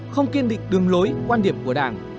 không kiên định đường lối quan điểm của đảng